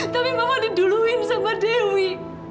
tapi mama diduluin sama dewi